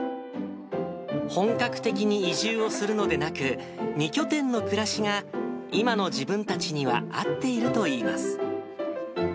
本格的に移住をするのでなく、２拠点の暮らしが、今の自分たちには合っているといいます。